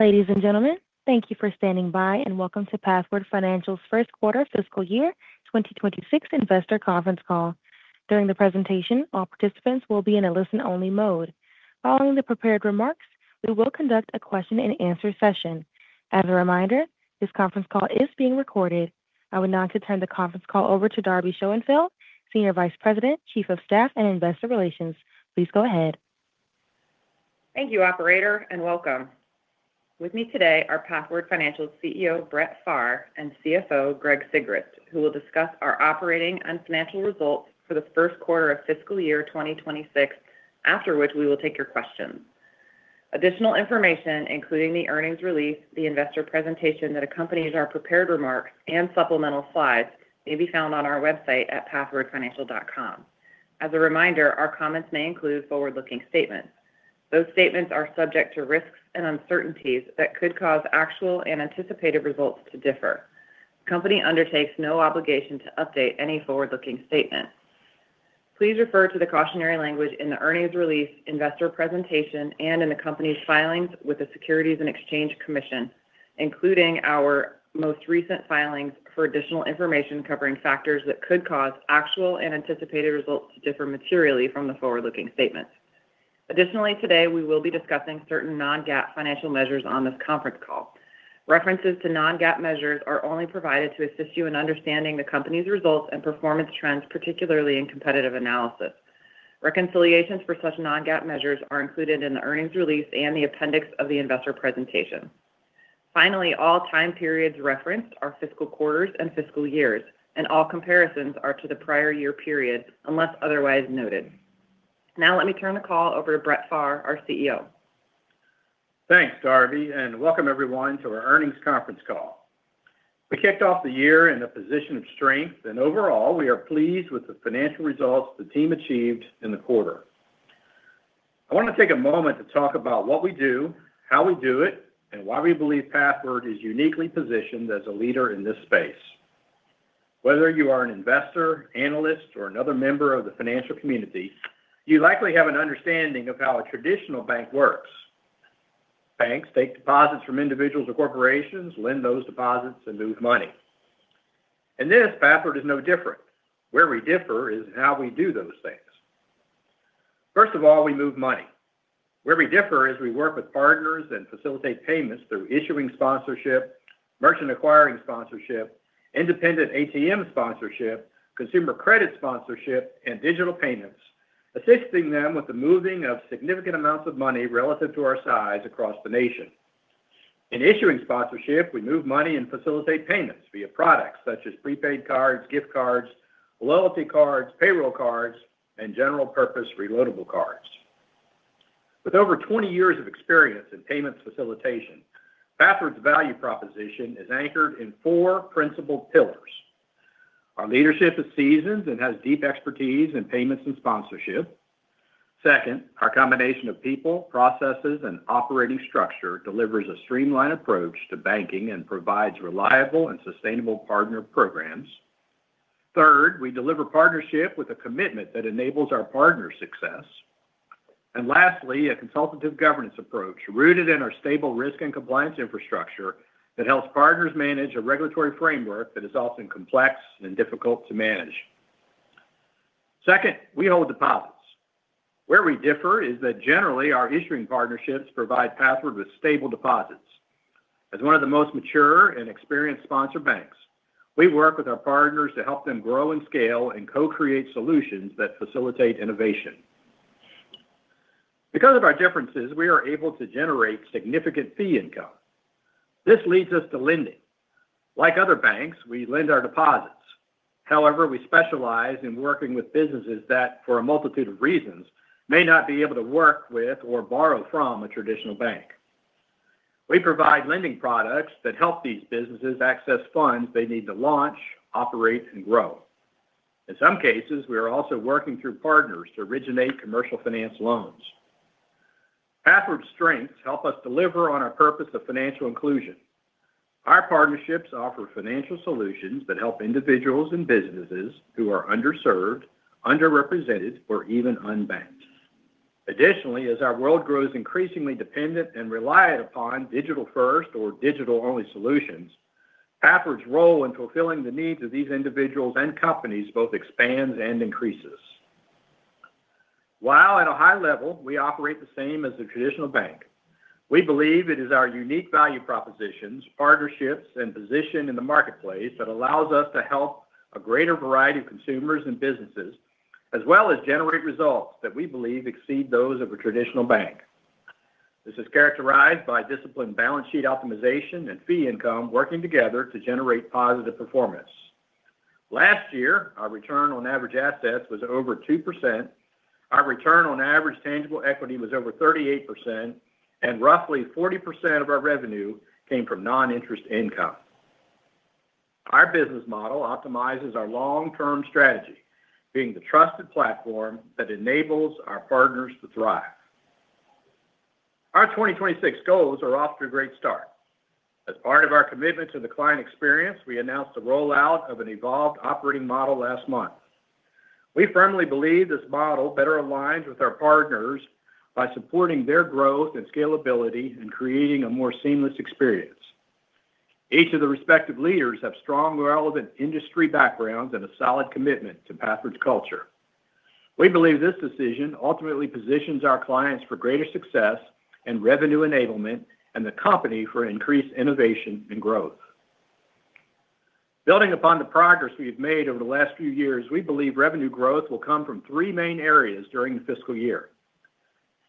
Ladies and gentlemen, thank you for standing by and welcome to Pathward Financial's first quarter fiscal year 2026 investor conference call. During the presentation, all participants will be in a listen-only mode. Following the prepared remarks, we will conduct a question-and-answer session. As a reminder, this conference call is being recorded. I would now like to turn the conference call over to Darby Schoenfeld, Senior Vice President, Chief of Staff and Investor Relations. Please go ahead. Thank you, Operator, and welcome. With me today are Pathward Financial's CEO, Brett Pharr, and CFO, Greg Sigrist, who will discuss our operating and financial results for the first quarter of fiscal year 2026, after which we will take your questions. Additional information, including the earnings release, the investor presentation that accompanies our prepared remarks, and supplemental slides, may be found on our website at pathwardfinancial.com. As a reminder, our comments may include forward-looking statements. Those statements are subject to risks and uncertainties that could cause actual and anticipated results to differ. The company undertakes no obligation to update any forward-looking statement. Please refer to the cautionary language in the earnings release, investor presentation, and in the company's filings with the Securities and Exchange Commission, including our most recent filings for additional information covering factors that could cause actual and anticipated results to differ materially from the forward-looking statements. Additionally, today we will be discussing certain non-GAAP financial measures on this conference call. References to non-GAAP measures are only provided to assist you in understanding the company's results and performance trends, particularly in competitive analysis. Reconciliations for such non-GAAP measures are included in the earnings release and the appendix of the investor presentation. Finally, all time periods referenced are fiscal quarters and fiscal years, and all comparisons are to the prior year period unless otherwise noted. Now let me turn the call over to Brett Pharr, our CEO. Thanks, Darby, and welcome everyone to our earnings conference call. We kicked off the year in a position of strength, and overall, we are pleased with the financial results the team achieved in the quarter. I want to take a moment to talk about what we do, how we do it, and why we believe Pathward is uniquely positioned as a leader in this space. Whether you are an investor, analyst, or another member of the financial community, you likely have an understanding of how a traditional bank works. Banks take deposits from individuals or corporations, lend those deposits, and move money. In this, Pathward is no different. Where we differ is in how we do those things. First of all, we move money. Where we differ is we work with partners and facilitate payments through issuing sponsorship, merchant acquiring sponsorship, independent ATM sponsorship, consumer credit sponsorship, and digital payments, assisting them with the moving of significant amounts of money relative to our size across the nation. In issuing sponsorship, we move money and facilitate payments via products such as prepaid cards, gift cards, loyalty cards, payroll cards, and general-purpose reloadable cards. With over 20 years of experience in payments facilitation, Pathward's value proposition is anchored in four principal pillars. Our leadership is seasoned and has deep expertise in payments and sponsorship. Second, our combination of people, processes, and operating structure delivers a streamlined approach to banking and provides reliable and sustainable partner programs. Third, we deliver partnership with a commitment that enables our partners' success. And lastly, a consultative governance approach rooted in our stable risk and compliance infrastructure that helps partners manage a regulatory framework that is often complex and difficult to manage. Second, we hold deposits. Where we differ is that generally our issuing partnerships provide Pathward with stable deposits. As one of the most mature and experienced sponsor banks, we work with our partners to help them grow and scale and co-create solutions that facilitate innovation. Because of our differences, we are able to generate significant fee income. This leads us to lending. Like other banks, we lend our deposits. However, we specialize in working with businesses that, for a multitude of reasons, may not be able to work with or borrow from a traditional bank. We provide lending products that help these businesses access funds they need to launch, operate, and grow. In some cases, we are also working through partners to originate commercial finance loans. Pathward's strengths help us deliver on our purpose of financial inclusion. Our partnerships offer financial solutions that help individuals and businesses who are underserved, underrepresented, or even unbanked. Additionally, as our world grows increasingly dependent and reliant upon digital-first or digital-only solutions, Pathward's role in fulfilling the needs of these individuals and companies both expands and increases. While at a high level, we operate the same as a traditional bank, we believe it is our unique value propositions, partnerships, and position in the marketplace that allows us to help a greater variety of consumers and businesses, as well as generate results that we believe exceed those of a traditional bank. This is characterized by disciplined balance sheet optimization and fee income working together to generate positive performance. Last year, our return on average assets was over 2%. Our return on average tangible equity was over 38%, and roughly 40% of our revenue came from non-interest income. Our business model optimizes our long-term strategy, being the trusted platform that enables our partners to thrive. Our 2026 goals are off to a great start. As part of our commitment to the client experience, we announced the rollout of an evolved operating model last month. We firmly believe this model better aligns with our partners by supporting their growth and scalability and creating a more seamless experience. Each of the respective leaders has strong relevant industry backgrounds and a solid commitment to Pathward's culture. We believe this decision ultimately positions our clients for greater success and revenue enablement, and the company for increased innovation and growth. Building upon the progress we have made over the last few years, we believe revenue growth will come from three main areas during the fiscal-year.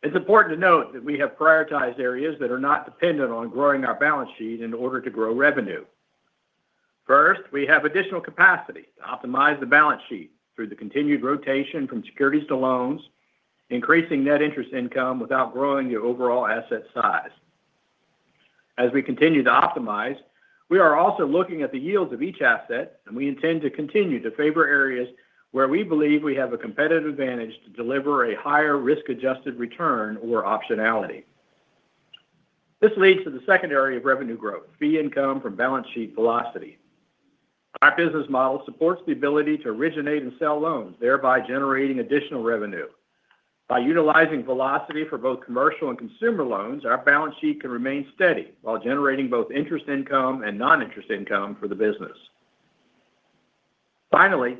It's important to note that we have prioritized areas that are not dependent on growing our balance sheet in order to grow revenue. First, we have additional capacity to optimize the balance sheet through the continued rotation from securities to loans, increasing net interest income without growing the overall asset size. As we continue to optimize, we are also looking at the yields of each asset, and we intend to continue to favor areas where we believe we have a competitive advantage to deliver a higher risk-adjusted return or optionality. This leads to the second area of revenue growth: fee income from balance sheet velocity. Our business model supports the ability to originate and sell loans, thereby generating additional revenue. By utilizing velocity for both commercial and consumer loans, our balance sheet can remain steady while generating both interest income and non-interest income for the business. Finally,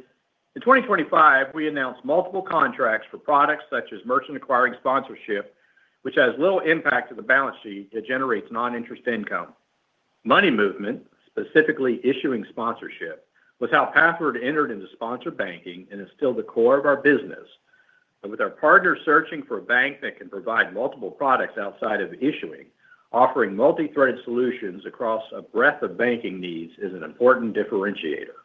in 2025, we announced multiple contracts for products such as merchant acquiring sponsorship, which has little impact to the balance sheet yet generates non-interest income. Money movement, specifically issuing sponsorship, was how Pathward entered into sponsor banking and is still the core of our business. With our partners searching for a bank that can provide multiple products outside of issuing, offering multi-threaded solutions across a breadth of banking needs is an important differentiator.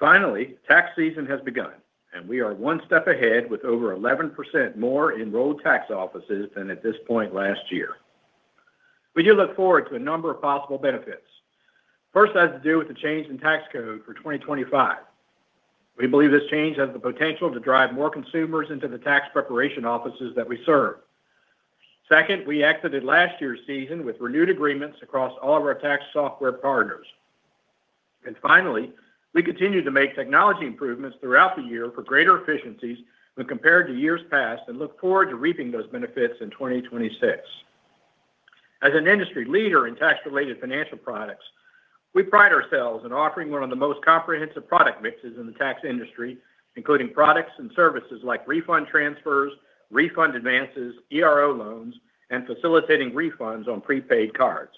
Finally, tax season has begun, and we are one step ahead with over 11% more enrolled tax offices than at this point last year. We do look forward to a number of possible benefits. First, that has to do with the change in tax code for 2025. We believe this change has the potential to drive more consumers into the tax preparation offices that we serve. Second, we exited last year's season with renewed agreements across all of our tax software partners. And finally, we continue to make technology improvements throughout the year for greater efficiencies when compared to years past and look forward to reaping those benefits in 2026. As an industry leader in tax-related financial products, we pride ourselves in offering one of the most comprehensive product mixes in the tax industry, including products and services like refund transfers, refund advances, ERO loans, and facilitating refunds on prepaid cards.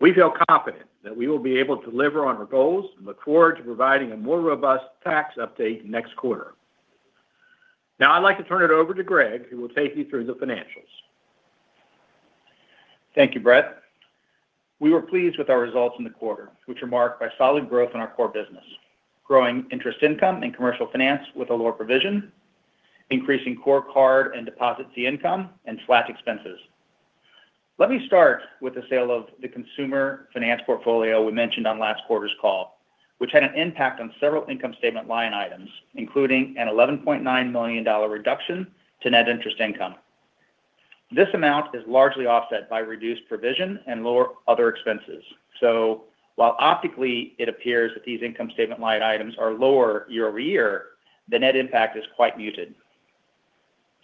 We feel confident that we will be able to deliver on our goals and look forward to providing a more robust tax update next quarter. Now, I'd like to turn it over to Greg, who will take you through the financials. Thank you, Brett. We were pleased with our results in the quarter, which were marked by solid growth in our core business, growing interest income and commercial finance with a lower provision, increasing core card and deposit fee income, and flat expenses. Let me start with the sale of the consumer finance portfolio we mentioned on last quarter's call, which had an impact on several income statement line items, including an $11.9 million reduction to net interest income. This amount is largely offset by reduced provision and lower other expenses. So while optically it appears that these income statement line items are lower year-over-year, the net impact is quite muted.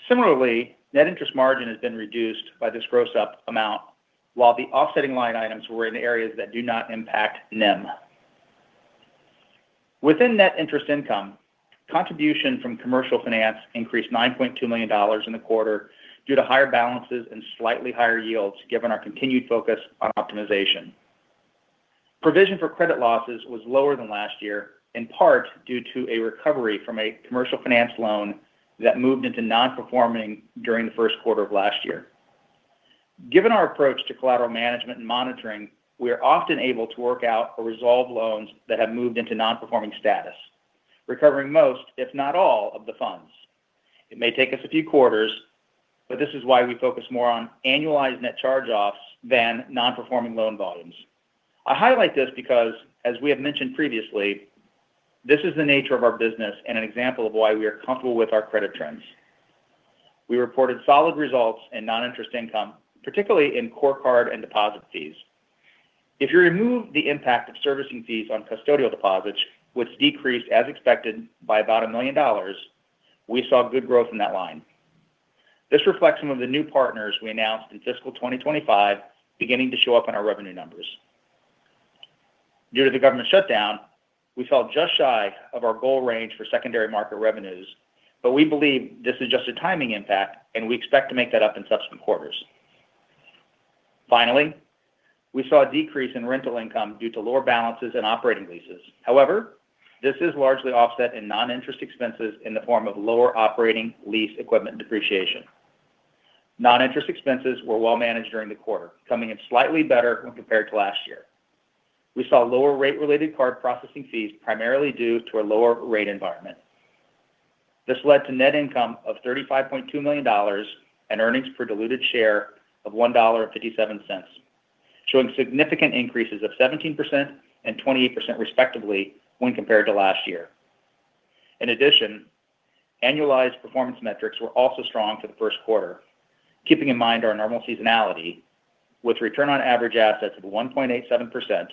Similarly, net interest margin has been reduced by this gross-up amount, while the offsetting line items were in areas that do not impact them. Within net interest income, contribution from commercial finance increased $9.2 million in the quarter due to higher balances and slightly higher yields, given our continued focus on optimization. Provision for credit losses was lower than last year, in part due to a recovery from a commercial finance loan that moved into non-performing during the first quarter of last year. Given our approach to collateral management and monitoring, we are often able to work out or resolve loans that have moved into non-performing status, recovering most, if not all, of the funds. It may take us a few quarters, but this is why we focus more on annualized net charge-offs than non-performing loan volumes. I highlight this because, as we have mentioned previously, this is the nature of our business and an example of why we are comfortable with our credit trends. We reported solid results in non-interest income, particularly in core card and deposit fees. If you remove the impact of servicing fees on custodial deposits, which decreased as expected by about $1 million, we saw good growth in that line. This reflects some of the new partners we announced in fiscal 2025 beginning to show up in our revenue numbers. Due to the government shutdown, we felt just shy of our goal range for secondary market revenues, but we believe this is just a timing impact, and we expect to make that up in subsequent quarters. Finally, we saw a decrease in rental income due to lower balances and operating leases. However, this is largely offset in non-interest expenses in the form of lower operating lease equipment depreciation. Non-interest expenses were well managed during the quarter, coming in slightly better when compared to last year. We saw lower rate-related card processing fees, primarily due to a lower rate environment. This led to net income of $35.2 million and earnings per diluted share of $1.57, showing significant increases of 17 and 28% respectively when compared to last year. In addition, annualized performance metrics were also strong for the first quarter, keeping in mind our normal seasonality, with return on average assets of 1.87%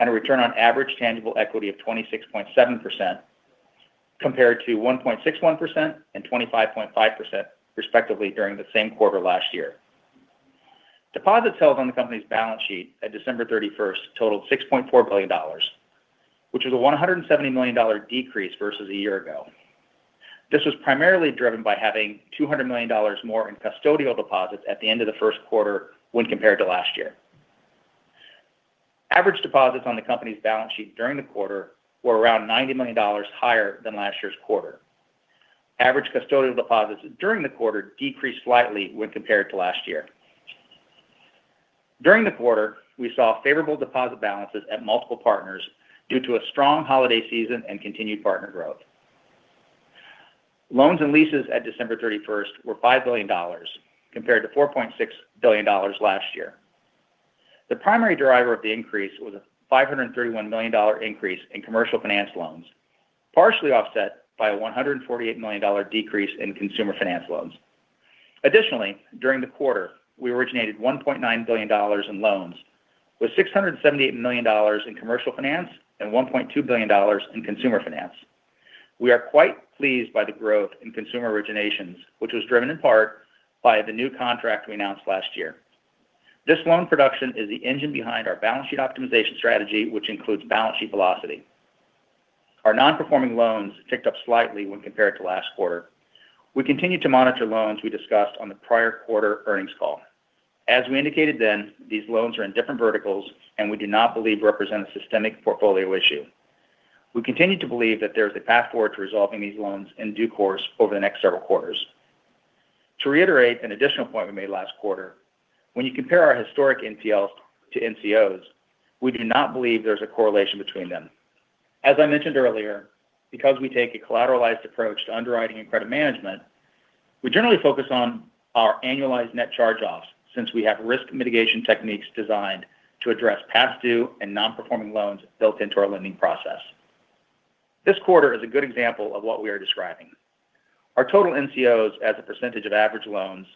and a return on average tangible equity of 26.7% compared to 1.61 and 25.5% respectively during the same quarter last year. Deposits held on the company's balance sheet at 31st December totaled $6.4 billion, which was a $170 million decrease versus a year ago. This was primarily driven by having $200 million more in custodial deposits at the end of the first quarter when compared to last year. Average deposits on the company's balance sheet during the quarter were around $90 million higher than last year's quarter. Average custodial deposits during the quarter decreased slightly when compared to last year. During the quarter, we saw favorable deposit balances at multiple partners due to a strong holiday season and continued partner growth. Loans and leases at 31st December were $5 compared to 4.6 billion last year. The primary driver of the increase was a $531 million increase in commercial finance loans, partially offset by a $148 million decrease in consumer finance loans. Additionally, during the quarter, we originated $1.9 billion in loans, with $678 million in commercial finance and $1.2 billion in consumer finance. We are quite pleased by the growth in consumer originations, which was driven in part by the new contract we announced last year. This loan production is the engine behind our balance sheet optimization strategy, which includes balance sheet velocity. Our non-performing loans ticked up slightly when compared to last quarter. We continue to monitor loans we discussed on the prior quarter earnings call. As we indicated then, these loans are in different verticals, and we do not believe represent a systemic portfolio issue. We continue to believe that there is a path forward to resolving these loans in due course over the next several quarters. To reiterate an additional point we made last quarter, when you compare our historic NPLs to NCOs, we do not believe there is a correlation between them. As I mentioned earlier, because we take a collateralized approach to underwriting and credit management, we generally focus on our annualized net charge-offs since we have risk mitigation techniques designed to address past due and non-performing loans built into our lending process. This quarter is a good example of what we are describing. Our total NCOs as a percentage of average loans,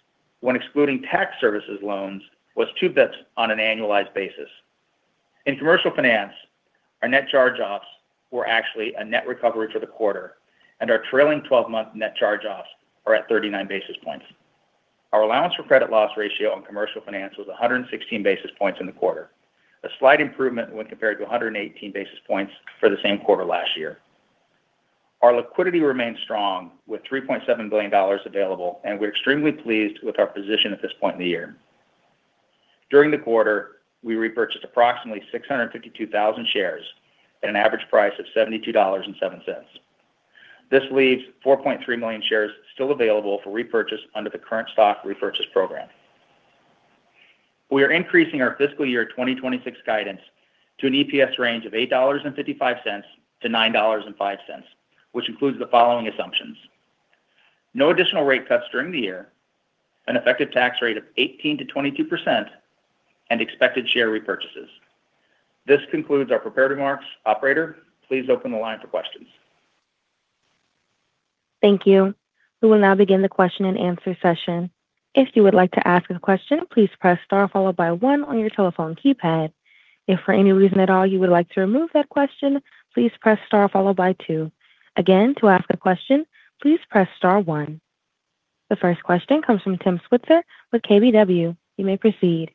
when excluding tax services loans, was 0.4% on an annualized basis. In commercial finance, our net charge-offs were actually a net recovery for the quarter, and our trailing 12-month net charge-offs are at 39 basis points. Our allowance for credit loss ratio on commercial finance was 116 basis points in the quarter, a slight improvement when compared to 118 basis points for the same quarter last year. Our liquidity remains strong with $3.7 billion available, and we're extremely pleased with our position at this point in the year. During the quarter, we repurchased approximately 652,000 shares at an average price of $72.07. This leaves 4.3 million shares still available for repurchase under the current stock repurchase program. We are increasing our fiscal year 2026 guidance to an EPS range of $8.55-9.05, which includes the following assumptions: no additional rate cuts during the year, an effective tax rate of 18-22%, and expected share repurchases. This concludes our preparatory remarks. Operator, please open the line for questions. Thank you. We will now begin the question-and-answer session. If you would like to ask a question, please press star followed by one on your telephone keypad. If for any reason at all you would like to remove that question, please press star followed by two. Again, to ask a question, please press star one. The first question comes from Tim Switzer with KBW. You may proceed.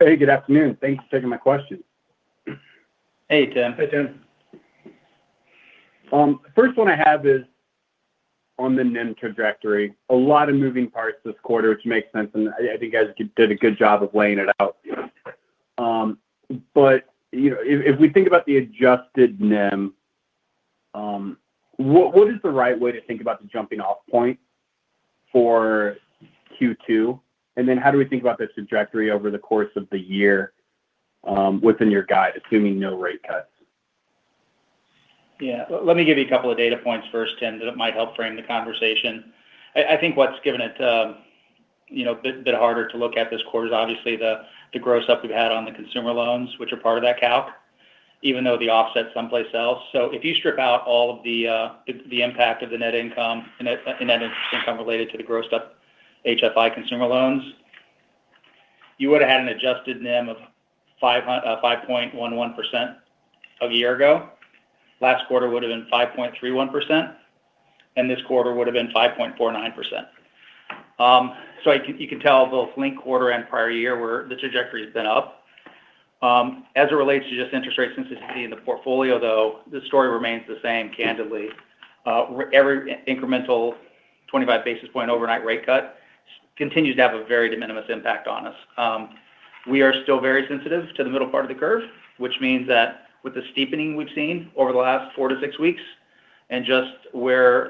Hey, good afternoon. Thanks for taking my question. Hey, Tim. Hey, Tim. First one I have is on the NIM trajectory. A lot of moving parts this quarter, which makes sense, and I think you guys did a good job of laying it out. But if we think about the adjusted NIM, what is the right way to think about the jumping-off point for Q2? And then how do we think about the trajectory over the course of the year within your guide, assuming no rate cuts? Yeah. Let me give you a couple of data points first, Tim, that might help frame the conversation. I think what's given it a bit harder to look at this quarter is obviously the gross-up we've had on the consumer loans, which are part of that calc, even though the offset's someplace else. So if you strip out all of the impact of the net income and net interest income related to the gross-up HFI consumer loans, you would have had an adjusted NIM of 5.11% a year ago. Last quarter would have been 5.31%, and this quarter would have been 5.49%. So you can tell both link quarter and prior year where the trajectory has been up. As it relates to just interest rate sensitivity in the portfolio, though, the story remains the same, candidly. Every incremental 25 basis point overnight rate cut continues to have a very de minimis impact on us. We are still very sensitive to the middle part of the curve, which means that with the steepening we've seen over the last four to six weeks and just where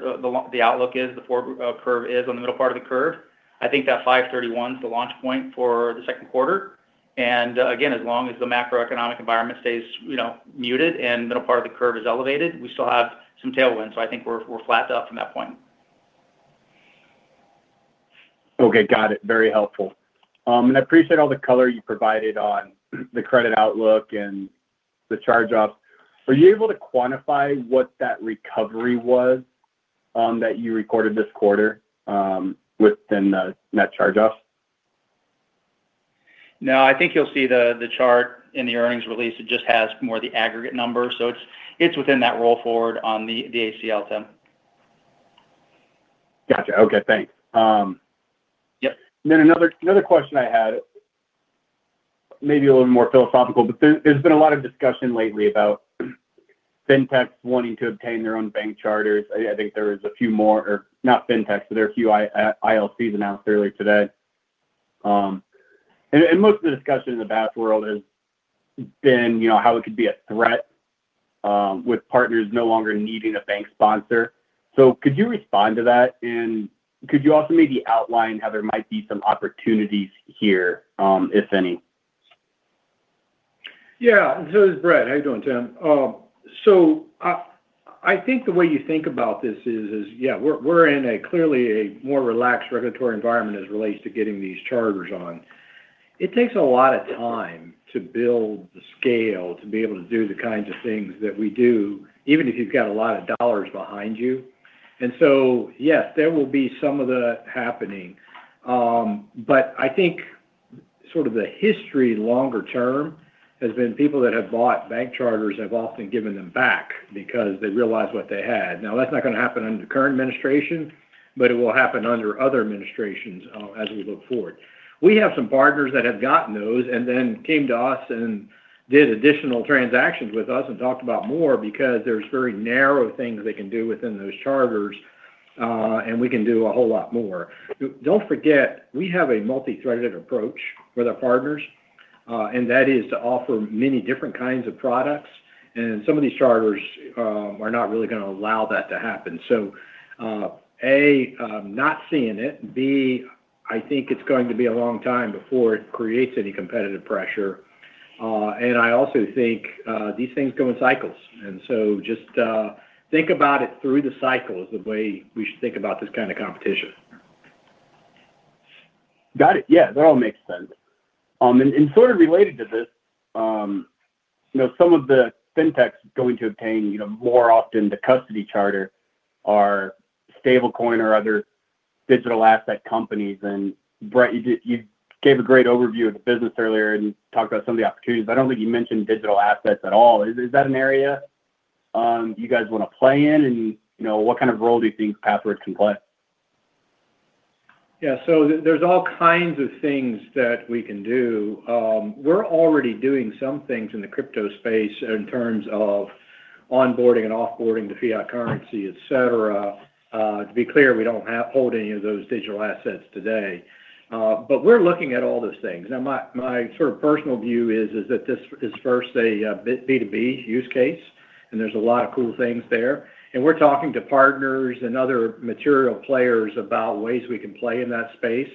the outlook is, the curve is on the middle part of the curve. I think that 531 is the launch point for the second quarter. And again, as long as the macroeconomic environment stays muted and the middle part of the curve is elevated, we still have some tailwinds. So I think we're flat to up from that point. Okay. Got it. Very helpful, and I appreciate all the color you provided on the credit outlook and the charge-offs. Are you able to quantify what that recovery was that you recorded this quarter within the net charge-offs? No, I think you'll see the chart in the earnings release. It just has more of the aggregate numbers. So it's within that roll forward on the ACL, Tim. Gotcha. Okay. Thanks. And then another question I had, maybe a little more philosophical, but there's been a lot of discussion lately about FinTechs wanting to obtain their own bank charters. I think there is a few more, or not FinTechs, but there are a few ILCs announced earlier today. And most of the discussion in the bank world has been how it could be a threat with partners no longer needing a bank sponsor. So could you respond to that? And could you also maybe outline how there might be some opportunities here, if any? Yeah. So it's Brett. How are you doing, Tim? So I think the way you think about this is, yeah, we're in clearly a more relaxed regulatory environment as it relates to getting these charters on. It takes a lot of time to build the scale to be able to do the kinds of things that we do, even if you've got a lot of dollars behind you. And so, yes, there will be some of that happening. But I think sort of the history longer term has been people that have bought bank charters have often given them back because they realized what they had. Now, that's not going to happen under the current administration, but it will happen under other administrations as we look forward. We have some partners that have gotten those and then came to us and did additional transactions with us and talked about more because there's very narrow things they can do within those charters, and we can do a whole lot more. Don't forget, we have a multi-threaded approach with our partners, and that is to offer many different kinds of products. And some of these charters are not really going to allow that to happen. So A, not seeing it. B, I think it's going to be a long time before it creates any competitive pressure. And I also think these things go in cycles. And so just think about it through the cycle is the way we should think about this kind of competition. Got it. Yeah. That all makes sense. And sort of related to this, some of the FinTechs going to obtain more often the custody charter are stablecoin or other digital asset companies. And Brett, you gave a great overview of the business earlier and talked about some of the opportunities. I don't think you mentioned digital assets at all. Is that an area you guys want to play in? And what kind of role do you think Pathward can play? Yeah. So there's all kinds of things that we can do. We're already doing some things in the crypto space in terms of onboarding and offboarding to fiat currency, etc. To be clear, we don't hold any of those digital assets today. But we're looking at all those things. Now, my sort of personal view is that this is first a B2B use case, and there's a lot of cool things there. And we're talking to partners and other material players about ways we can play in that space.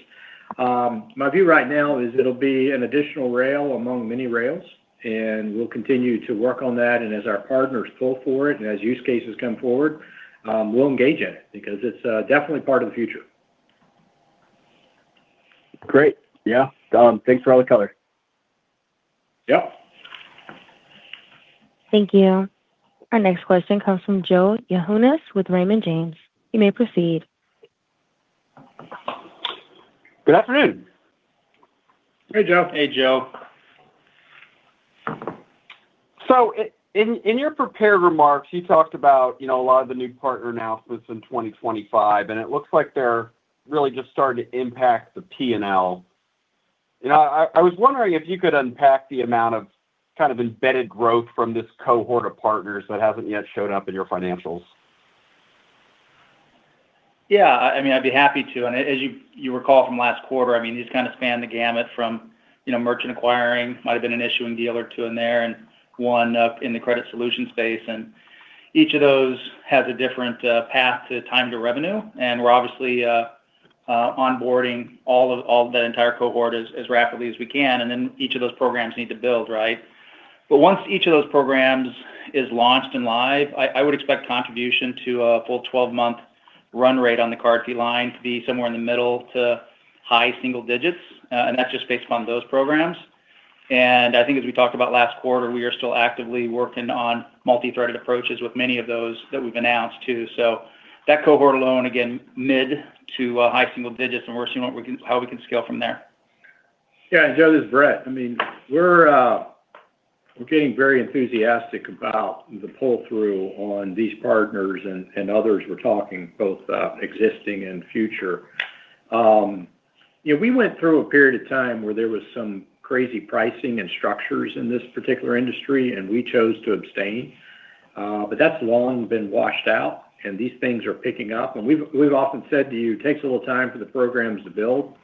My view right now is it'll be an additional rail among many rails, and we'll continue to work on that. And as our partners pull for it and as use cases come forward, we'll engage in it because it's definitely part of the future. Great. Yeah. Thanks for all the color. Thank you. Our next question comes from Joe Yanchunis with Raymond James. You may proceed. Good afternoon. Hey, Joe. Hey, Joe. In your prepared remarks, you talked about a lot of the new partner announcements in 2025, and it looks like they're really just starting to impact the P&L. I was wondering if you could unpack the amount of kind of embedded growth from this cohort of partners that hasn't yet showed up in your financials. Yeah. I mean, I'd be happy to. And as you recall from last quarter, I mean, these kind of span the gamut from merchant acquiring, might have been an issuing deal or two in there and one in the credit solution space. And each of those has a different path to time to revenue. And we're obviously onboarding all of that entire cohort as rapidly as we can. And then each of those programs need to build, right? But once each of those programs is launched and live, I would expect contribution to a full 12-month run rate on the card fee line to be somewhere in the middle to high single digits. And that's just based upon those programs. And I think as we talked about last quarter, we are still actively working on multi-threaded approaches with many of those that we've announced too. So that cohort alone, again, mid to high single digits, and we're seeing how we can scale from there. Yeah. And Joe, it's Brett. I mean, we're getting very enthusiastic about the pull-through on these partners and others we're talking to, both existing and future. We went through a period of time where there was some crazy pricing and structures in this particular industry, and we chose to abstain. But that's long been washed out, and these things are picking up. And we've often said to you, it takes a little time for the programs to build.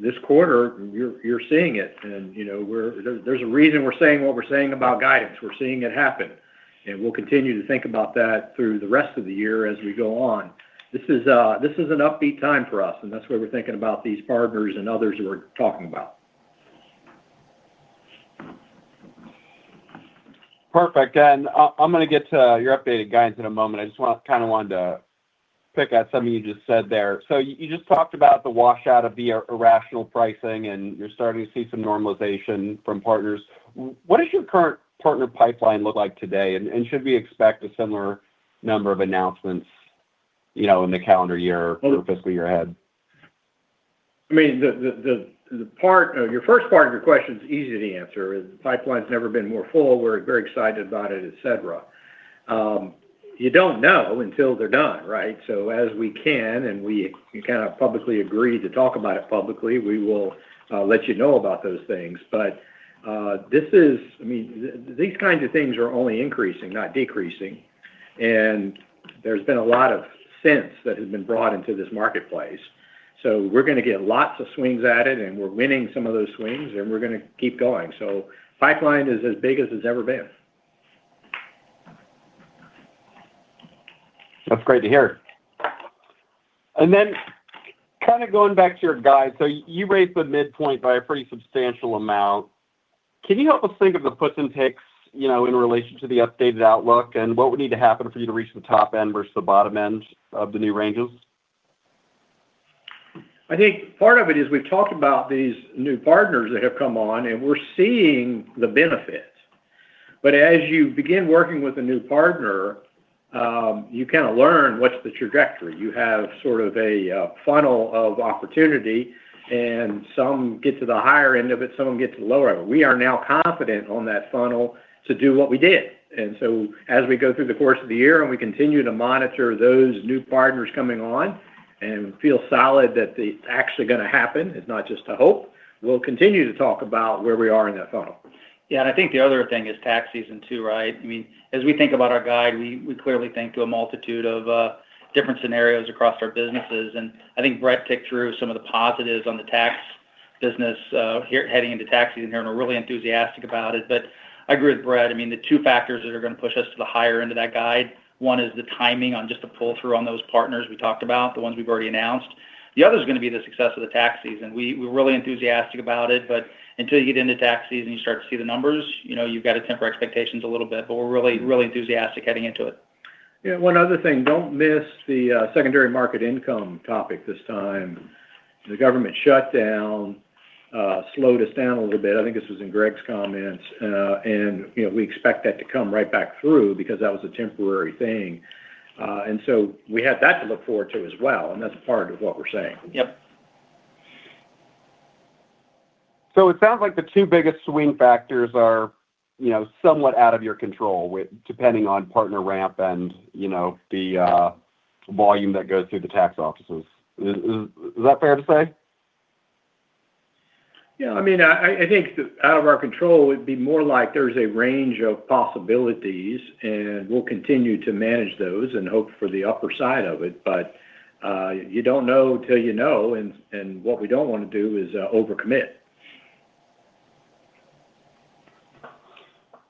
This quarter, you're seeing it. And there's a reason we're saying what we're saying about guidance. We're seeing it happen. And we'll continue to think about that through the rest of the year as we go on. This is an upbeat time for us, and that's why we're thinking about these partners and others we're talking about. Perfect. And I'm going to get to your updated guidance in a moment. I just kind of wanted to pick at something you just said there. So you just talked about the washout of the irrational pricing, and you're starting to see some normalization from partners. What does your current partner pipeline look like today? And should we expect a similar number of announcements in the calendar year or fiscal year ahead? I mean, your first part of your question is easy to answer. The pipeline's never been more full. We're very excited about it, etc. You don't know until they're done, right? So as we can, and we kind of publicly agree to talk about it publicly, we will let you know about those things. But I mean, these kinds of things are only increasing, not decreasing. And there's been a lot of sense that has been brought into this marketplace. So we're going to get lots of swings at it, and we're winning some of those swings, and we're going to keep going, so pipeline is as big as it's ever been. That's great to hear, and then kind of going back to your guidance, so you raised the midpoint by a pretty substantial amount. Can you help us think of the puts and takes in relation to the updated outlook and what would need to happen for you to reach the top end versus the bottom end of the new ranges? I think part of it is we've talked about these new partners that have come on, and we're seeing the benefits. But as you begin working with a new partner, you kind of learn what's the trajectory. You have sort of a funnel of opportunity, and some get to the higher end of it, some get to the lower end. We are now confident on that funnel to do what we did. And so as we go through the course of the year and we continue to monitor those new partners coming on and feel solid that it's actually going to happen, it's not just a hope, we'll continue to talk about where we are in that funnel. Yeah. And I think the other thing is tax season too, right? I mean, as we think about our guide, we clearly think to a multitude of different scenarios across our businesses. And I think Brett picked through some of the positives on the tax business heading into tax season here, and we're really enthusiastic about it. But I agree with Brett. I mean, the two factors that are going to push us to the higher end of that guide, one is the timing on just the pull-through on those partners we talked about, the ones we've already announced. The other is going to be the success of the tax season. We're really enthusiastic about it, but until you get into tax season and you start to see the numbers, you've got to temper expectations a little bit. But we're really, really enthusiastic heading into it. Yeah. One other thing. Don't miss the secondary market income topic this time. The government shutdown slowed us down a little bit. I think this was in Greg's comments. And we expect that to come right back through because that was a temporary thing. And so we have that to look forward to as well. And that's part of what we're saying. So it sounds like the two biggest swing factors are somewhat out of your control, depending on partner ramp and the volume that goes through the tax offices. Is that fair to say? Yeah. I mean, I think out of our control, it'd be more like there's a range of possibilities, and we'll continue to manage those and hope for the upper side of it, but you don't know until you know, and what we don't want to do is overcommit.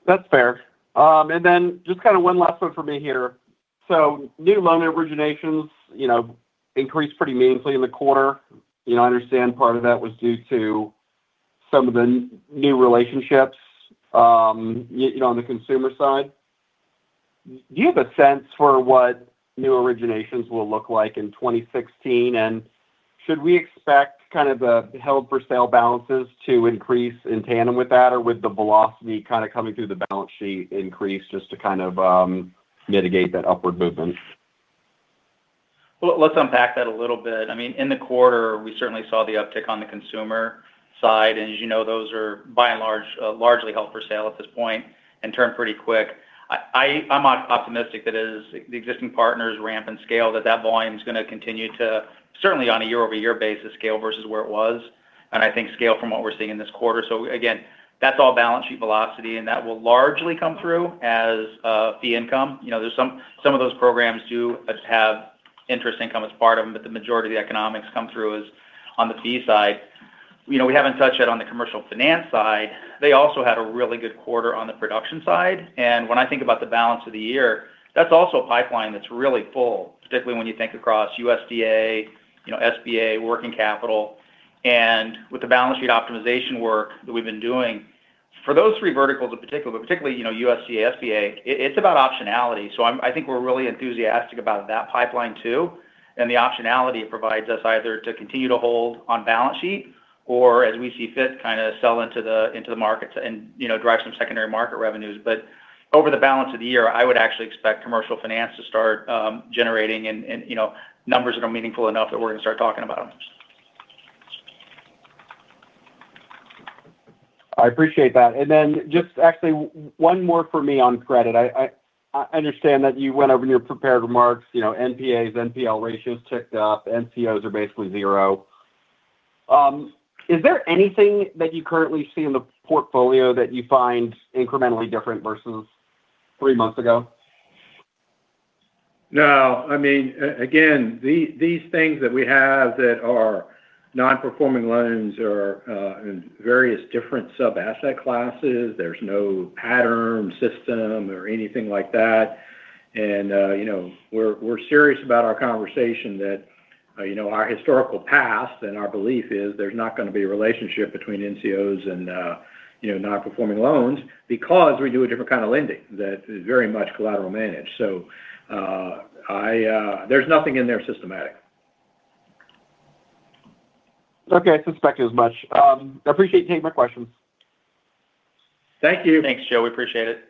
That's fair. And then just kind of one last one for me here. So new loan originations increased pretty meaningfully in the quarter. I understand part of that was due to some of the new relationships on the consumer side. Do you have a sense for what new originations will look like in 2016? And should we expect kind of the held-for-sale balances to increase in tandem with that or with the velocity kind of coming through the balance sheet increase just to kind of mitigate that upward movement? Let's unpack that a little bit. I mean, in the quarter, we certainly saw the uptick on the consumer side. As you know, those are by and large held-for-sale at this point and turned pretty quick. I'm optimistic that as the existing partners ramp and scale, that that volume is going to continue to certainly on a year-over-year basis scale versus where it was. I think scale from what we're seeing in this quarter. Again, that's all balance sheet velocity, and that will largely come through as fee income. Some of those programs do have interest income as part of them, but the majority of the economics come through is on the fee side. We haven't touched yet on the Commercial Finance side. They also had a really good quarter on the production side. And when I think about the balance of the year, that's also a pipeline that's really full, particularly when you think across USDA, SBA, working capital. And with the balance sheet optimization work that we've been doing for those three verticals in particular, but particularly USDA, SBA, it's about optionality. So I think we're really enthusiastic about that pipeline too. And the optionality it provides us either to continue to hold on balance sheet or, as we see fit, kind of sell into the markets and drive some secondary market revenues. But over the balance of the year, I would actually expect commercial finance to start generating numbers that are meaningful enough that we're going to start talking about them. I appreciate that. And then just actually one more for me on credit. I understand that you went over in your prepared remarks, NPAs, NPL ratios ticked up. NCOs are basically zero. Is there anything that you currently see in the portfolio that you find incrementally different versus three months ago? No. I mean, again, these things that we have that are non-performing loans are in various different sub-asset classes. There's no pattern system or anything like that. And we're serious about our conversation that our historical past and our belief is there's not going to be a relationship between NCOs and non-performing loans because we do a different kind of lending that is very much collateral managed. So there's nothing in there systematic. Okay. I suspect as much. I appreciate you taking my questions. Thank you. Thanks, Joe. We appreciate it.